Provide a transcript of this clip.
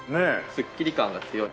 すっきり感が強い。